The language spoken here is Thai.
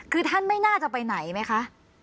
คือท่านไม่น่าจะไปไหนไหมคะ